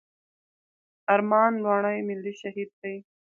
ارمان لوڼي ملي شهيد دی.